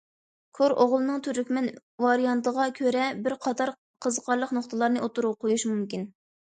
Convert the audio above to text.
كۆر ئوغلىنىڭ تۈركمەن ۋارىيانتىغا كۆرە، بىر قاتار قىزىقارلىق نۇقتىلارنى ئوتتۇرىغا قويۇش مۇمكىن.